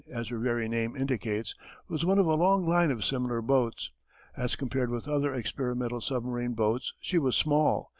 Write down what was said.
9_, as her very name indicates, was one of a long line of similar boats. As compared with other experimental submarine boats she was small.